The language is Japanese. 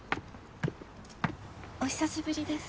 お久しぶりです。